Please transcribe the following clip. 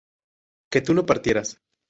¿que tú no partieras?